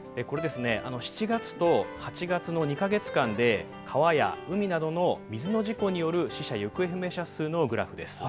７月と８月の２か月間で川や海などで水の事故による死者・行方不明者数のグラフです。